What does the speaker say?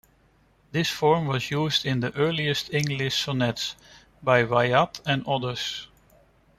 This form was used in the earliest English sonnets by Wyatt and others.